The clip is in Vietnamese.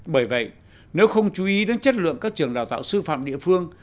bởi vậy nếu không chú ý đến chất lượng các trường đào tạo sư phạm địa phương